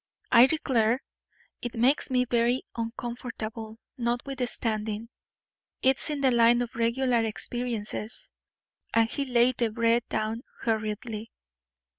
"I declare, it makes me very uncomfortable, notwithstanding it's in the line of regular experiences." And he laid the bread down hurriedly.